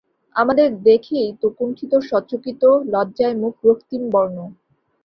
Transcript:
আমাদের দেখেই তো কুন্ঠিত, সচকিত, লজ্জায় মুখ রক্তিমবর্ণ।